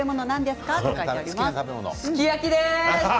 すき焼きです。